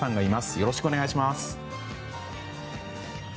よろしくお願いします。